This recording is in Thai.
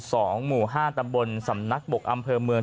หมู่ห้าตำบลสำนักบกอำเภอเมือง